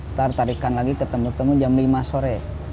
ntar tarikan lagi ketemu ketemu jam lima sore